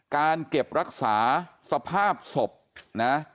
การเก็บรักษาสภาพศพนะ